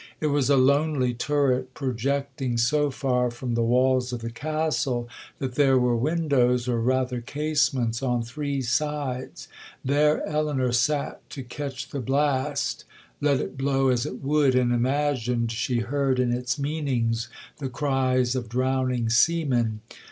It was a lonely turret projecting so far from the walls of the Castle, that there were windows, or rather casements, on three sides. There Elinor sat to catch the blast, let it blow as it would, and imagined she heard in its meanings the cries of drowning seamen.